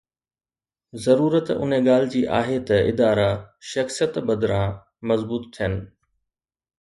ضرورت ان ڳالهه جي آهي ته ادارا ”شخصيت“ بدران مضبوط ٿين.